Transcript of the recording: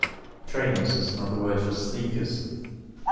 Trainers is another word for sneakers